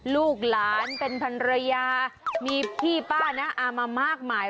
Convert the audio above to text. ลูกหลานเป็นพันรยามีพี่ป้าน้าอามามากมาย